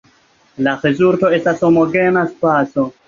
La rezulto estas homogena spaco.